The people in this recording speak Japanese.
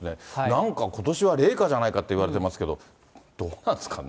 なんか、ことしは冷夏じゃないかって言われてますけど、どうなんですかね。